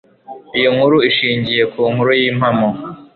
Iyi nkuru ishingiye ku nkuru yimpamo